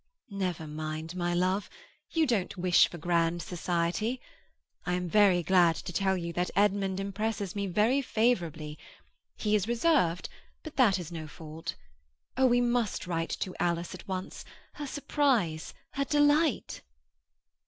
"Never mind, my love. You don't wish for grand society. I am very glad to tell you that Edmund impresses me very favourably. He is reserved, but that is no fault. Oh, we must write to Alice at once! Her surprise! Her delight!"